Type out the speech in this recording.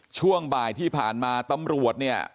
ช่วงบ่ายที่ผ่านมาตำรวจเนี่ย